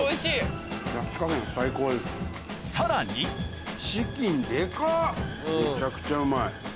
さらにむちゃくちゃうまい。